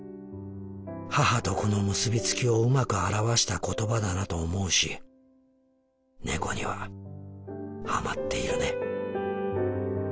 母と子の結びつきをうまく表した言葉だなと思うし猫にはハマっているね。